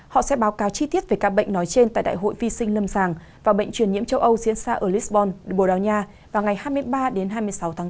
họ sẽ báo cáo chi tiết về ca bệnh nói trên tại đại hội vi sinh lâm sàng và bệnh truyền nhiễm châu âu diễn ra ở lisbon bồ đào nha vào ngày hai mươi ba đến hai mươi sáu tháng bốn